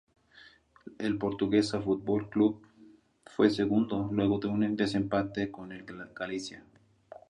El Portuguesa Fútbol Club fue segundo, luego de un desempate con el Galicia.